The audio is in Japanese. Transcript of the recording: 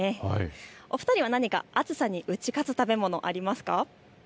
お二人は何か暑さに打ち勝つ食べ物、ありますか？